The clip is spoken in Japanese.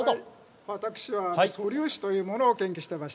私は素粒子というものを研究していました。